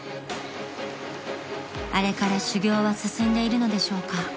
［あれから修業は進んでいるのでしょうか？］